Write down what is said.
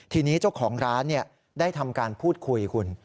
ทีนี้เจ้าของร้านได้ทำการพูดคุยคุณ